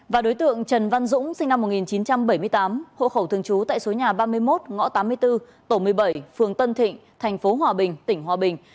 và đối tượng trần văn dũng sinh năm một nghìn chín trăm bảy mươi tám hộ khẩu thường trú tại số nhà ba mươi một ngõ tám mươi bốn tổ một mươi bảy phường tân thịnh tp hòa bình tỉnh hòa bình